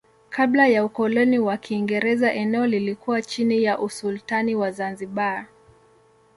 Kabla ya ukoloni wa Kiingereza eneo lilikuwa chini ya usultani wa Zanzibar.